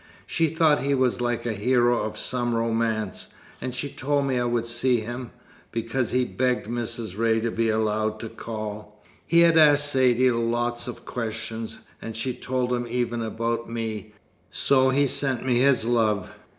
She thought he was like the hero of some romance; and she told me I would see him, because he'd begged Mrs. Ray to be allowed to call. He had asked Saidee lots of questions, and she'd told him even about me so he sent me his love.